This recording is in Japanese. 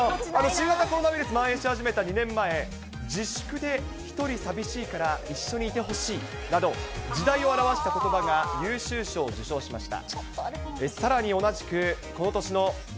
新型コロナウイルスがまん延し始めた２年前、自粛でひとり寂しいから、一緒にいてほしい！など、時代を表したことばが優秀賞を受賞しました。